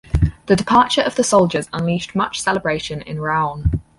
The departure of the soldiers unleashed much celebration in Raon.